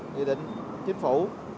nghị định chính phủ